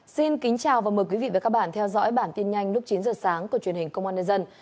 xin kính chào và mời quý vị và các bạn theo dõi bản tin nhanh lúc chín giờ sáng của truyền hình công an nhân dân